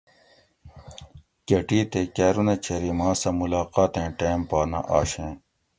گٹی تے کاۤرونہ چھیری ماسہۤ مُلاقاتیں ٹیم پا نہ آشیں